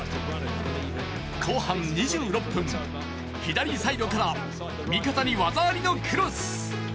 後半２６分、左サイドから味方に技ありのクロス。